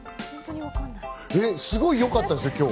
すごいよかったですよ、今日。